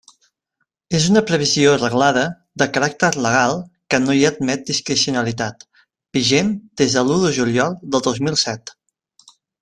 És una previsió reglada de caràcter legal que no hi admet discrecionalitat, vigent des de l'u de juliol de dos mil set.